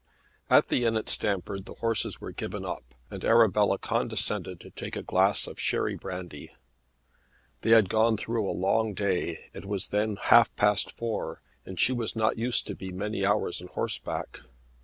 At the inn at Stamford the horses were given up, and Arabella condescended to take a glass of cherry brandy. She had gone through a long day; it was then half past four, and she was not used to be many hours on horseback.